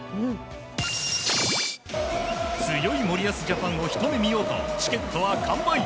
強い森保ジャパンをひと目見ようとチケットは完売。